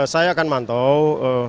saya akan mantau